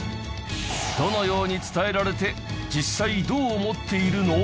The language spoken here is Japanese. どのように伝えられて実際どう思っているの？